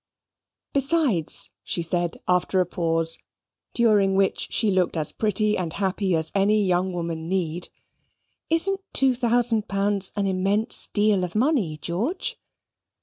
"Besides," she said, after a pause, during which she looked as pretty and happy as any young woman need, "isn't two thousand pounds an immense deal of money, George?"